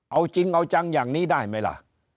เอาจริงเอาจังอย่างนี้ได้ไหมล่ะ